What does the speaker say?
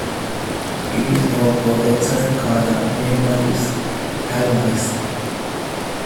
It is known for the excellent Khaja made by its Halwais.